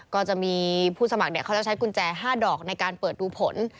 ก็จะมีผู้สมัครเขาจะใช้กุญแจ๕ดอกในการเปิดดูผล